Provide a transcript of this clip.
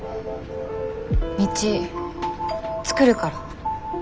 道作るから。